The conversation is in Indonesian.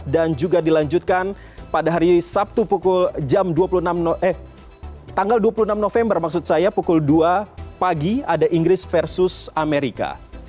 dan juga dilanjutkan pada hari sabtu pukul jam dua puluh enam november maksud saya pukul dua pagi ada inggris versus amerika